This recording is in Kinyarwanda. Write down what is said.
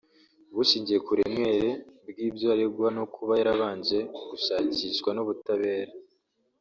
Bushingiye ku buremere bw’ibyo aregwa no kuba yarabanje gushakishwa n’ubutabera